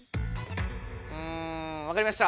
うんわかりました。